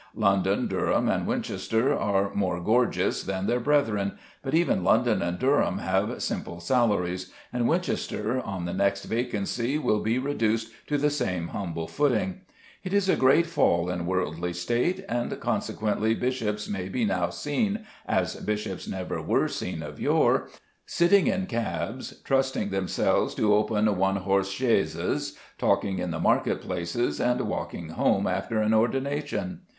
London, Durham, and Winchester are more gorgeous than their brethren, but even London and Durham have simple salaries, and Winchester, on the next vacancy, will be reduced to the same humble footing. It is a great fall in worldly state, and consequently bishops may be now seen, as bishops never were seen of yore, sitting in cabs, trusting themselves to open one horse chaises, talking in the market places, and walking home after an ordination.